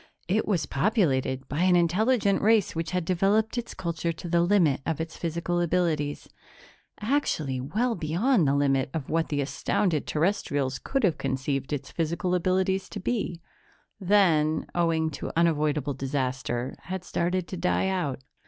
It was populated by an intelligent race which had developed its culture to the limit of its physical abilities actually well beyond the limit of what the astounded Terrestrials could have conceived its physical abilities to be then, owing to unavoidable disaster, had started to die out.